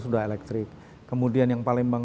sudah elektrik kemudian yang palembang